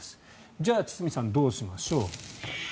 じゃあ、堤さんどうしましょう。